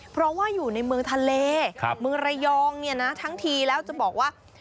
เพราะว่าอยู่ในเมืองทะเลเมืองระยองเนี่ยนะทั้งทีแล้วจะบอกว่า